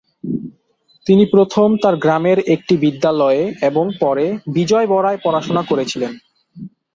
তিনি প্রথম তার গ্রামের একটি বিদ্যালয়ে এবং পরে বিজয়বড়ায় পড়াশোনা করেছিলেন।